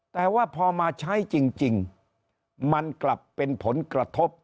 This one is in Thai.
แต่ว่าพอมาใช้จริงมันกลับเป็นผลกระทบ